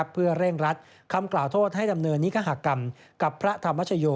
เพื่อเร่งรัดคำกล่าวโทษให้ดำเนินนิคกรรมกับพระธรรมชโย